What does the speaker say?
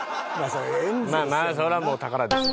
まあそれはもう宝ですよ。